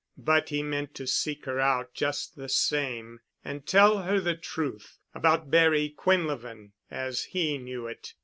But he meant to seek her out just the same and tell her the truth about Barry Quinlevin as he knew it.